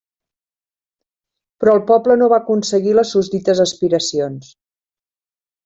Però el poble no va aconseguir les susdites aspiracions.